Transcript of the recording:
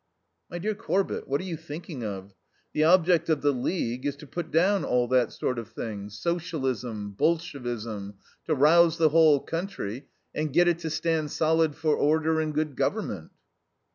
"My dear Corbett, what are you thinking of? The object of the League is to put down all that sort of thing Socialism Bolshevism to rouse the whole country and get it to stand solid for order and good government."